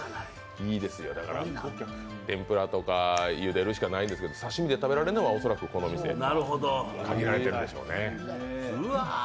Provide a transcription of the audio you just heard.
天ぷらとかゆでるしかないんですけど刺身で食べられるのは恐らく、この店だけに限られているでしょうね。